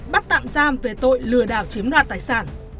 bắt tạm giam về tội lừa đảo chiếm đoạt tài sản